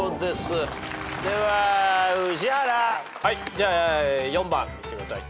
じゃあ４番見せてください。